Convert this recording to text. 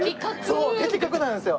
そう的確なんですよ。